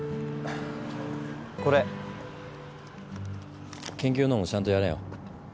これ研究のほうもちゃんとやれよ。